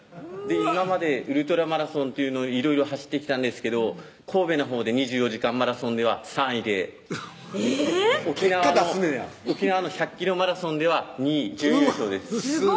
今までウルトラマラソンというのをいろいろ走ってきたんですけど神戸のほうで２４時間マラソンでは３位でえぇ⁉結果出すねや沖縄の１００ｋｍマラソンでは２位準優勝ですスゴ！